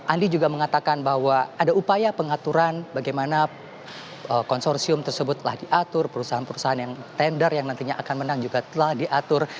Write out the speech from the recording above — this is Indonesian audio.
andi juga mengatakan bahwa ada upaya pengaturan bagaimana konsorsium tersebut telah diatur perusahaan perusahaan yang tender yang nantinya akan menang juga telah diatur